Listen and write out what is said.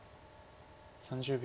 ３０秒。